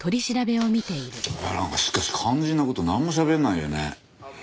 なんかしかし肝心な事なんもしゃべらないよね。